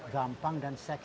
gampang dan seksi